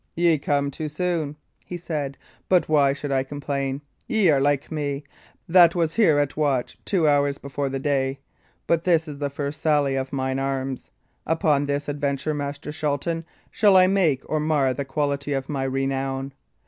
"Ye come too soon," he said; "but why should I complain? Ye are like me, that was here at watch two hours before the day. But this is the first sally of mine arms; upon this adventure, Master Shelton, shall I make or mar the quality of my renown.